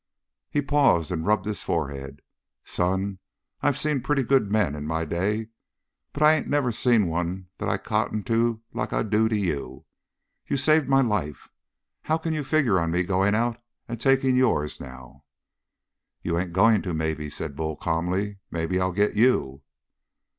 He paused and rubbed his forehead. "Son, I've seen pretty good men in my day, but I ain't never seen one that I cotton to like I do to you. You've saved my life. How can you figure on me going out and taking yours, now?" "You ain't going to, maybe," said Bull calmly. "Maybe I'll get to you."